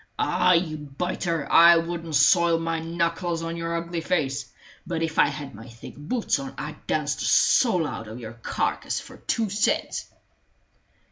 Ah, you biter, I wouldn't soil my knuckles on your ugly face; but if I had my thick boots on I'd dance the soul out of your carcass for two cents!"